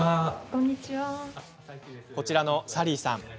こちらのサリーさん。